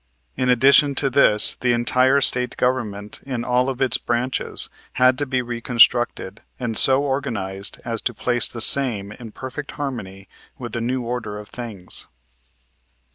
In addition to this the entire State Government in all of its branches had to be reconstructed and so organized as to place the same in perfect harmony with the new order of things.